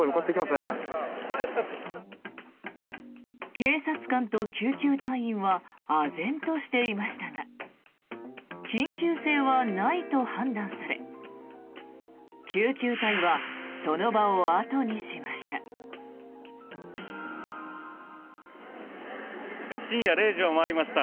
警察官と救急隊員はあぜんとしていましたが緊急性はないと判断され救急隊はその場を後にしました。